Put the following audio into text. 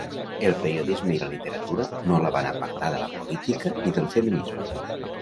El periodisme i la literatura no la van apartar de la política ni del feminisme.